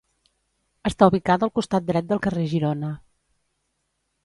Està ubicat al costat dret del carrer Girona.